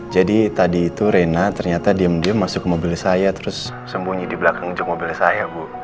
jadi tadi itu rena ternyata diem diem masuk ke mobil saya terus sembunyi di belakang mobil saya bu